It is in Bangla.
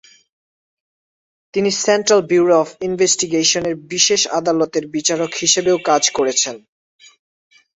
তিনি সেন্ট্রাল ব্যুরো অফ ইনভেস্টিগেশন এর বিশেষ আদালতের বিচারক হিসাবেও কাজ করেছেন।